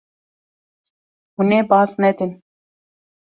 Hûn ê baz nedin.